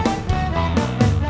bukan disini diatas orangnya